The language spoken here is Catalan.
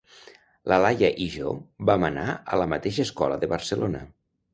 La Laia i jo vam anar a la mateixa escola de Barcelona.